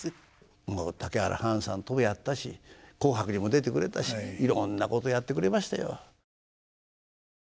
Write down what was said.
もう武原はんさんともやったし「紅白」にも出てくれたしいろんなことやってくれましたよ。